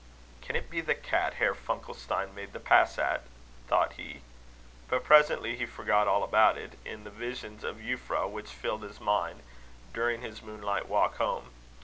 "Can it be the cat Herr Funkelstein made the pass at?" thought he. But presently he forgot all about it, in the visions of Euphra which filled his mind during his moonlight walk home.